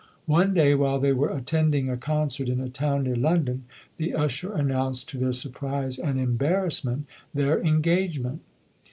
One day while they were attending a con cert in a town near London, the usher announced to their surprise and embarrassment, their en gagement.